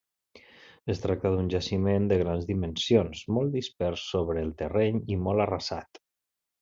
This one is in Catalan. Es tracta d'un jaciment de grans dimensions, molt dispers sobre el terreny, i molt arrasat.